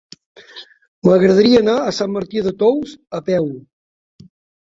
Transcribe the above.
M'agradaria anar a Sant Martí de Tous a peu.